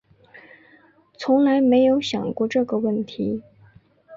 从来没有想过这个问题